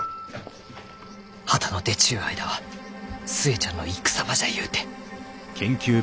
旗の出ちゅう間は寿恵ちゃんの戦場じゃゆうて。